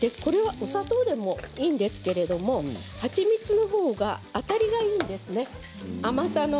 お砂糖でもいいんですけれど蜂蜜のほうがあたりがいいんですね、甘さの。